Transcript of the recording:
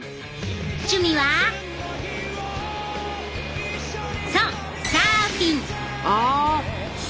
趣味はそうサーフィン！